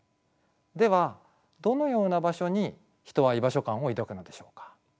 ではどのような場所に人は居場所感を抱くのでしょうか？